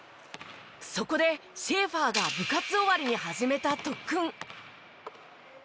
そこでシェーファーが部活終わりに始めた特訓。